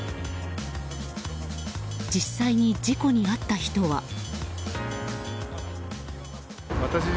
実際に事故に遭った人は。